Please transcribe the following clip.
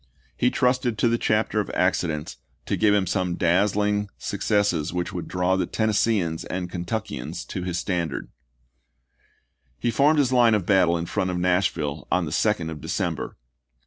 He trusted to the chapter of accidents to give him some dazzling successes which would draw the Tennesseeans and Kentuckians to his standard. FKANKLIN AND NASHVILLE 23 He formed his line of battle in front of Nashville chap, l on the 2d of December.